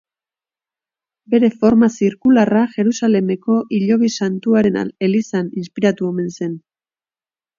Bere forma zirkularra Jerusalemeko Hilobi Santuaren elizan inspiratu omen zen.